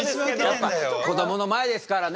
やっぱこどもの前ですからね。